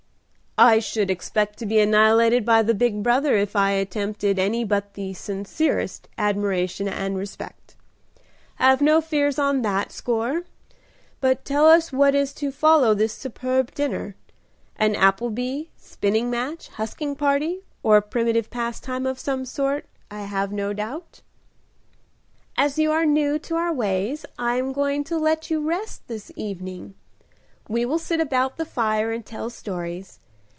"I should expect to be annihilated by the big brother if I attempted any but the 'sincerest' admiration and respect. Have no fears on that score, but tell us what is to follow this superb dinner. An apple bee, spinning match, husking party, or primitive pastime of some sort, I have no doubt." "As you are new to our ways I am going to let you rest this evening. We will sit about the fire and tell stories.